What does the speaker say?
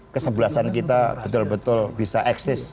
kesebelasan kita betul betul bisa eksis